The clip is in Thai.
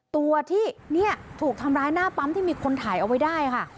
ตัวที่เนี่ยถูกทำร้ายหน้าปั๊มที่มีคนถ่ายเอาไว้ได้ค่ะ